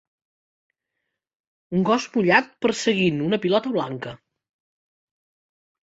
un gos mullat perseguint una pilota blanca.